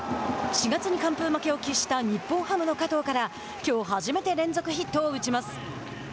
４月に完封負けを喫した日本ハムの加藤からきょう初めて連続ヒットを打ちます。